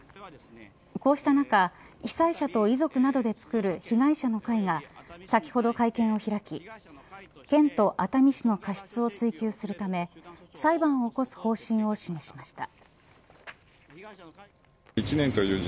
こうした中、被災者と遺族などで作る被害者の会が、先ほど会見を開き県と熱海市の過失を追求するため裁判を起こす方針を示しました。